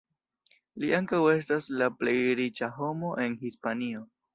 Li ankaŭ estas la plej riĉa homo en Hispanio.